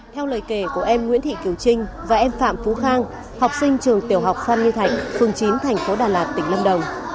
theo lời kể của em nguyễn thị kiều trinh và em phạm phú khang học sinh trường tiểu học phan huy thạnh phường chín thành phố đà lạt tỉnh lâm đồng